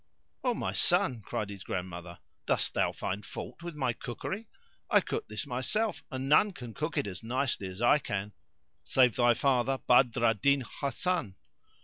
"O my son," cried his grandmother, "dost thou find fault with my cookery? I cooked this myself and none can cook it as nicely as I can save thy father, Badr al Din Hasan."